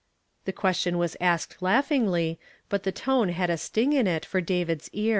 The question was asked laughingly. but the tone had a sting in it for David's en.